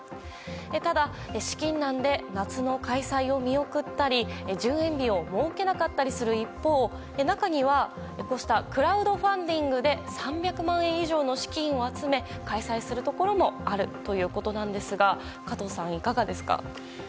ただ、資金難で夏の開催を見送ったり順延日を設けなかったりする一方中には、こうしたクラウドファンディングで３００万円以上の資金を集め開催するところもあるということですが加藤さん、いかがですか？